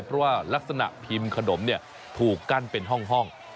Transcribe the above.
เพราะว่ารักษณะพิมพ์ขนมถูกกั้นเป็นห้อง